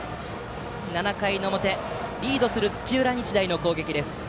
７回表のリードする土浦日大の攻撃。